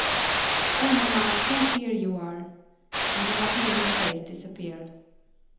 "Oh, mamma, how dear you are," and the happy little face disappeared.